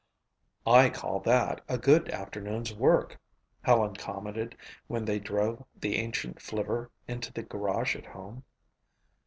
"I call that a good afternoon's work," Helen commented when they drove the ancient flivver into the garage at home.